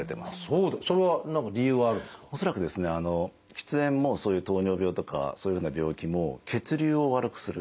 喫煙もそういう糖尿病とかそういうような病気も血流を悪くする。